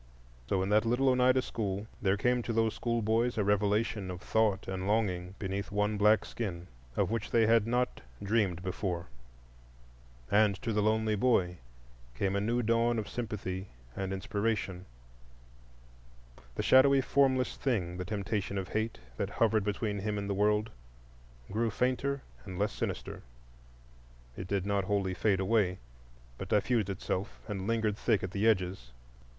So in that little Oneida school there came to those schoolboys a revelation of thought and longing beneath one black skin, of which they had not dreamed before. And to the lonely boy came a new dawn of sympathy and inspiration. The shadowy, formless thing—the temptation of Hate, that hovered between him and the world—grew fainter and less sinister. It did not wholly fade away, but diffused itself and lingered thick at the edges.